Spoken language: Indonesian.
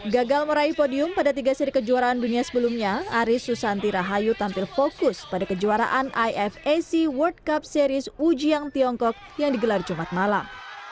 gagal meraih podium pada tiga seri kejuaraan dunia sebelumnya aris susanti rahayu tampil fokus pada kejuaraan ifac world cup series ujiang tiongkok yang digelar jumat malam